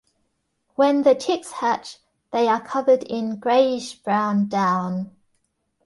When the chicks hatch, they are covered in greyish-brown down.